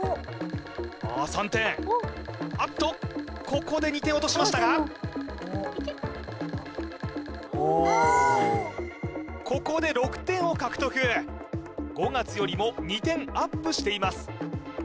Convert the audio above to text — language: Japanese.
ああ３点あっとここで２点落としましたがここで６点を獲得５月よりも２点アップしています